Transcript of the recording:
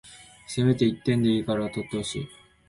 せめて一点でいいから取ってほしい